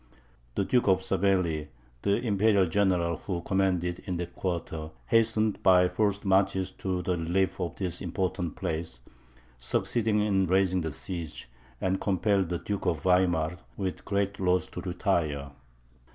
The Duke of Savelli, the Imperial general who commanded in that quarter, hastened by forced marches to the relief of this important place, succeeded in raising the siege, and compelled the Duke of Weimar, with great loss to retire.